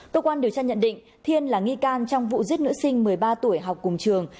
cơ quan điều tra nhận định thiên là nghi can trong vụ giết nữ sinh một mươi ba tuổi học cùng trường